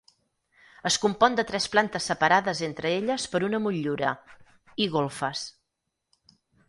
Es compon de tres plantes separades entre elles per una motllura, i golfes.